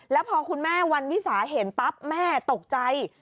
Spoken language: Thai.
แล้วพอคุณแม่วันวิสาเห็นปั๊บแม่ตกใจ